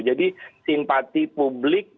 jadi simpati publik